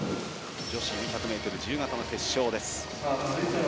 女子４００ｍ自由形の決勝です。